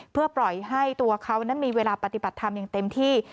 เพื่อปล่อยให้ตัวเขานั้นมีเวลาปฏิบัติธรรมอย่างเต็มที่